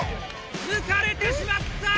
抜かれてしまった！